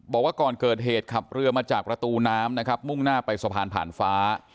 บอกว่าก่อนเกิดเหตุขับเรือมาจากประตูน้ำนะครับมุ่งหน้าไปสะพานผ่านฟ้า